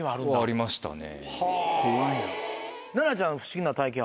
ありましたね。